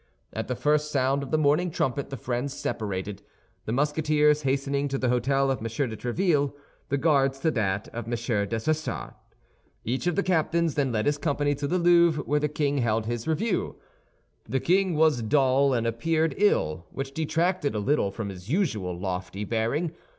At the first sound of the morning trumpet the friends separated; the Musketeers hastening to the hôtel of M. de Tréville, the Guards to that of M. Dessessart. Each of the captains then led his company to the Louvre, where the king held his review. The king was dull and appeared ill, which detracted a little from his usual lofty bearing.